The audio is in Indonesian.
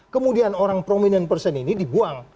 kemudian orang prominent person ini dibuang